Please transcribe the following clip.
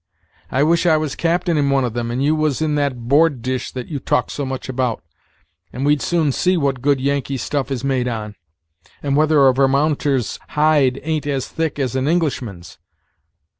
I wish I was captain in one of them, and you was in that Board dish that you talk so much about, and we'd soon see what good Yankee stuff is made on, and whether a Varmounter's hide ain't as thick as an Englishman's."